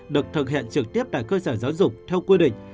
được thực hiện trực tiếp tại cơ sở giáo dục theo quy định